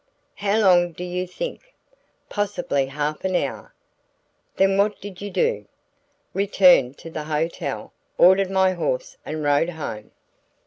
"How long do you think?" "Possibly half an hour." "Then what did you do?" "Returned to the hotel, ordered my horse and rode home."